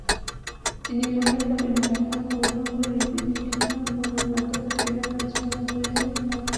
তিনি মনে করেন, ঢাকা মহানগরে বিচ্ছিন্নভাবে মাদক কেনাবেচা হয়ে থাকতে পারে।